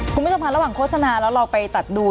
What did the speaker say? คุณผู้ชมค่ะระหว่างโฆษณาแล้วเราไปตัดดู